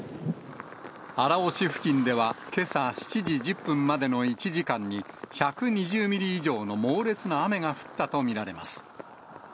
荒尾市付近ではけさ７時１０分までの１時間に、１２０ミリ以上の猛烈な雨が降ったと見られます。